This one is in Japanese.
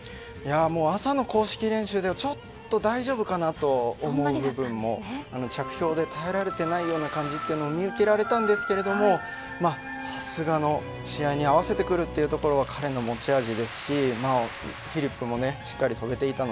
朝の公式練習ではちょっと大丈夫かなと思う部分も着氷で耐えられていない感じも見受けられましたがさすがの試合に合わせてくるというところは彼の持ち味ですしフリップもしっかり跳べていました。